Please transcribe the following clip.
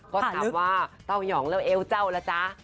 ก็ถามว่าเต้ายองแล้วเอวเจ้าล่ะจ๊ะ